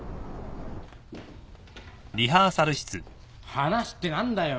話って何だよ？